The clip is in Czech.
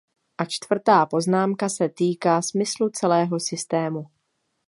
A čtvrtá poznámka se týká smyslu celého systému.